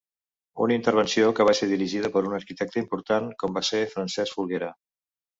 Una intervenció, que va ser dirigida per un arquitecte important com va ser Francesc Folguera.